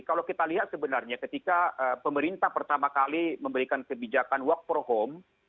kalau kita lihat sebenarnya ketika pemerintah pertama kali memberikan kebijakan work from home